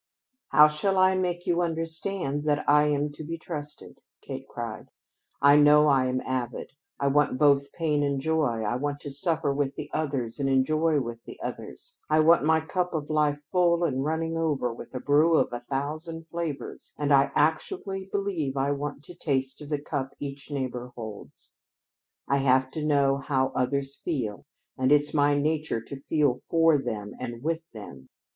"How shall I make you understand that I am to be trusted!" Kate cried. "I know I'm avid. I want both pain and joy. I want to suffer with the others and enjoy with the others. I want my cup of life full and running over with a brew of a thousand flavors, and I actually believe I want to taste of the cup each neighbor holds. I have to know how others feel and it's my nature to feel for them and with them.